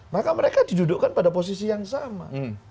maka mereka didudukkan pada posisi yang sama